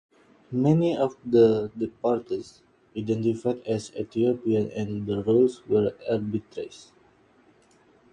Many of the deportees identified as Ethiopian and the rules were arbitrary.